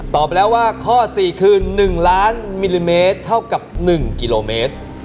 ไปแล้วว่าข้อ๔คือ๑ล้านมิลลิเมตรเท่ากับ๑กิโลเมตร